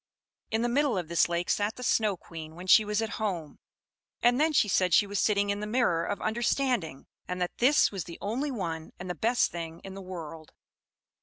In the middle of this lake sat the Snow Queen when she was at home; and then she said she was sitting in the Mirror of Understanding, and that this was the only one and the best thing in the world.